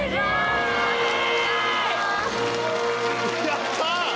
やった！